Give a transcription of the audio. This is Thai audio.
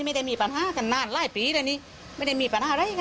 ไม่ได้มีปัญหากันนานหลายปีเลยนี่ไม่ได้มีปัญหาอะไรยังไง